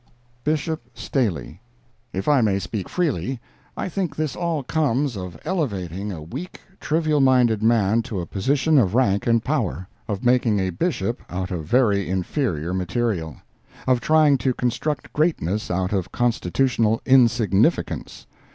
BISHOP STALEY If I may speak freely, I think this all comes of elevating a weak, trivial minded man to a position of rank and power—of making a Bishop out of very inferior material—of trying to construct greatness out of constitutional insignificance.